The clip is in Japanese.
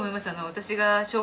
私が。